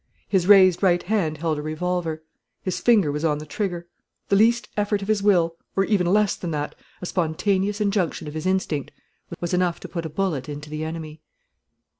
His raised right hand held a revolver. His finger was on the trigger. The least effort of his will, or even less than that, a spontaneous injunction of his instinct, was enough to put a bullet into the enemy.